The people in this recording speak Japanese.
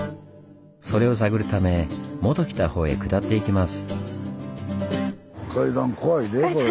それを探るため元来たほうへ下っていきます。